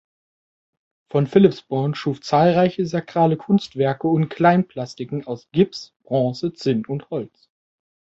Von Philipsborn schuf zahlreiche sakrale Kunstwerke und Kleinplastiken aus Gips, Bronze, Zinn und Holz.